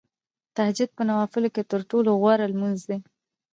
تهجد په نوافلو کې تر ټولو غوره لمونځ دی .